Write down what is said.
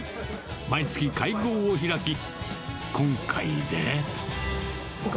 毎月会合を開き、今回で。